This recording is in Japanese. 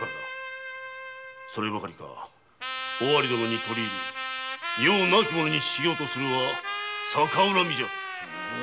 そればかりか尾張殿に取り入り余を亡き者にしようとするは逆恨みじゃ。